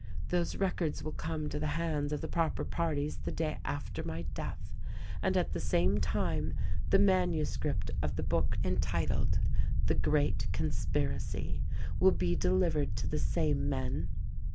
"Those records will come to the hands of the proper parties the day after my death, and at the same time the manuscript of the book entitled 'The Great Conspiracy' will 262 THE RECORDING ANGEL be delivered to the same men.